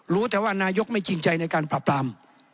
รู้แต่ว่านายกไม่จริงใจในการปราบปราม